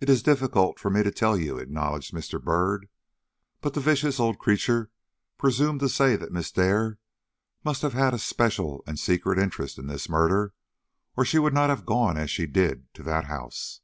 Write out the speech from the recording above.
"It is difficult for me to tell you," acknowledged Mr. Byrd; "but the vicious old creature presumed to say that Miss Dare must have had a special and secret interest in this murder, or she would not have gone as she did to that house.